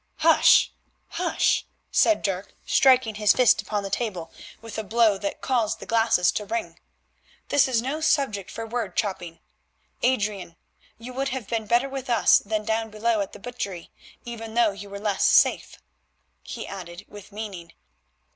"Hush! hush!" said Dirk, striking his fist upon the table with a blow that caused the glasses to ring, "this is no subject for word chopping. Adrian, you would have been better with us than down below at that butchery, even though you were less safe," he added, with meaning.